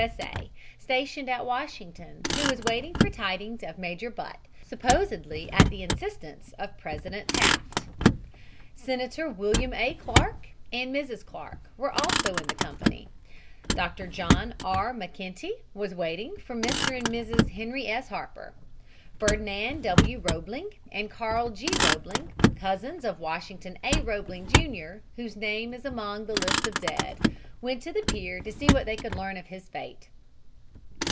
S. A., stationed at Washington, who was waiting for tidings of Major Butt, supposedly at the instance of President Taft. Senator William A. Clark and Mrs. Clark were also in the company. Dr. John R. MacKenty was waiting for Mr. and Mrs. Henry S. Harper. Ferdinand W. Roebling and Carl G. Roebling, cousins of Washington A. Roebling, Jr., whose name is among the list of dead, went to the pier to see what they could learn of his fate.